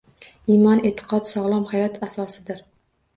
Iymon e'tiqod-sog'lom hayot asosidir.